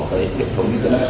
cái tiện thống internet